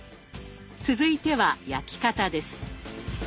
続いては焼き方です。